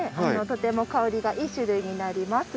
とても香りがいい種類になります。